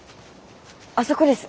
あそこです。